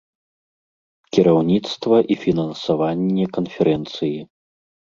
Кіраўніцтва і фінансаванне канферэнцыі.